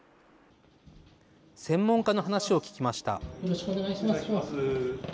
専門家の話を聞きました。